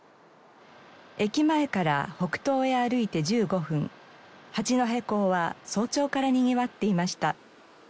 駅前から北東へ歩いて１５分八戸港は早朝からにぎわっていました。